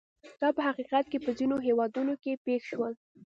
دا په حقیقت کې په ځینو هېوادونو کې پېښ شول.